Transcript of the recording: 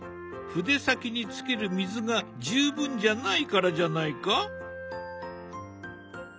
筆先につける水が十分じゃないからじゃないか？